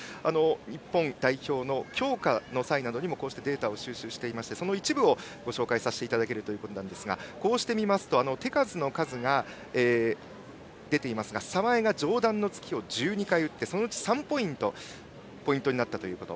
日本代表の強化の際などにもデータを収集していましてその一部をご紹介させていただけますがこうして見ますと手数が出ていますが澤江が上段の突きを１２回打ってそのうち３ポイントポイントになったということ。